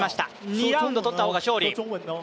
２ラウンド取った方が勝利。